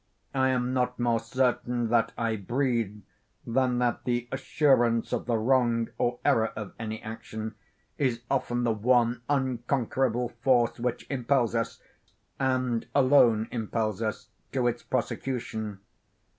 I am not more certain that I breathe, than that the assurance of the wrong or error of any action is often the one unconquerable force which impels us, and alone impels us to its prosecution.